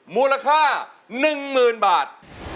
มูลค่า๑หมื่นบาท